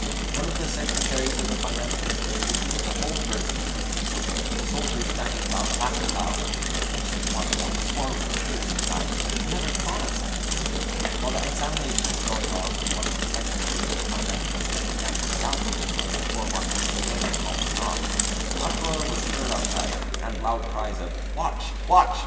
One of the secretaries of the Finance Minister repeated the whole verse to him. The soldiers standing about laughed aloud, but the ancient watchman swore with tears in his eyes that he had never thought of such a thing. While the examination was going on, and one of the secretaries of the Finance Minister began to be doubtful whether the poor watchman was really in fault or not, an uproar was heard outside, and loud cries of "Watch, watch!"